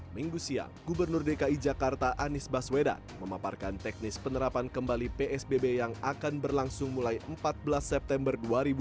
minggu siang gubernur dki jakarta anies baswedan memaparkan teknis penerapan kembali psbb yang akan berlangsung mulai empat belas september dua ribu dua puluh